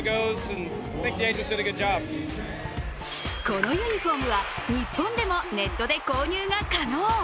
このユニフォームは、日本でもネットで購入が可能。